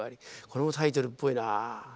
これもタイトルっぽいなあ。